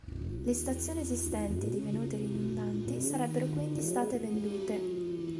Le stazioni esistenti divenute ridondanti sarebbero quindi state vendute.